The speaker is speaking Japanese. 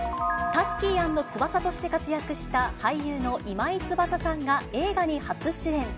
タッキー＆翼として活躍した俳優の今井翼さんが、映画に初主演。